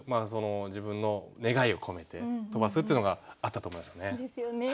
自分の願いを込めて飛ばすっていうのがあったと思いますよね。